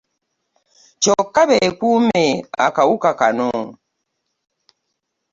Kyokka beekuume akawuka kano.